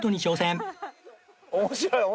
面白い！